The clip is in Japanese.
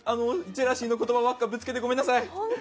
ジェラシーの言葉ばかりぶつけて、ごめんなさい。